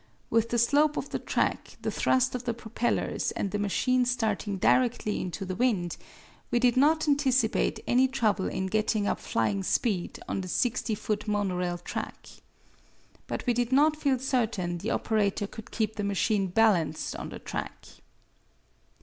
With the slope of the track, the thrust of the propellers and the machine starting directly into the wind, we did not anticipate any trouble in getting up flying speed on the 60 foot monorail track. But we did not feel certain the operator could keep the machine balanced on the track.